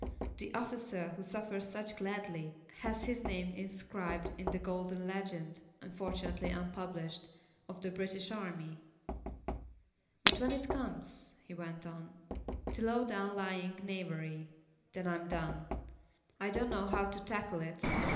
The officer who suffers such gladly has his name inscribed on the Golden Legend (unfortunately unpublished) of the British Army "but when it comes," he went on, "to low down lying knavery, then I'm done. I don't know how to tackle it.